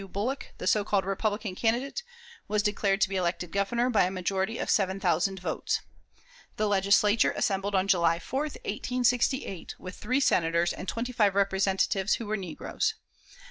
Bullock, the so called Republican candidate, was declared to be elected Governor by a majority of seven thousand votes. The Legislature assembled on July 4, 1868, with three Senators and twenty five Representatives who were negroes.